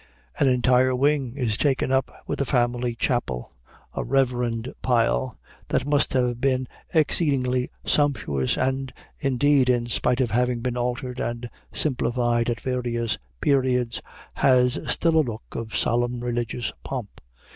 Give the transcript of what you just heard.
An entire wing is taken up with the family chapel, a reverend pile, that must have been exceedingly sumptuous, and, indeed, in spite of having been altered and simplified at various periods, has still a look of solemn religious pomp.